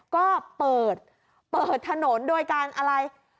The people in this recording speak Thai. ก็เปิดเปิดถนนโดยการอะไร